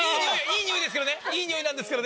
いい匂いですけどね！